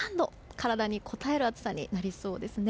体にこたえる暑さになりそうですね。